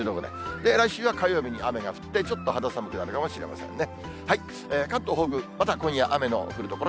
で、来週は火曜日に雨が降ってちょっと肌寒くなるかもしれませんね。